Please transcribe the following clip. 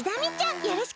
よろしくね！